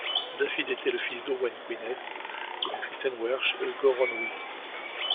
Dafydd était le fils d'Owain Gwynedd et de Cristin verch Goronwy.